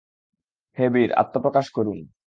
হে বীর, আত্মপ্রকাশ করুন।